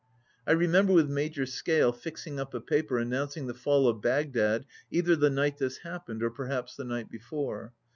I remember with Major Scale fixing up a paper announcing the fall of Bagdad either the night this happened or perhaps the night before.